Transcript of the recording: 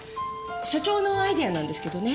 所長のアイデアなんですけどね。